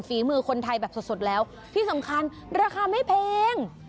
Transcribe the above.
ฝีมือคนไทยแบบสดแล้วที่สำคัญราคาไม่แพง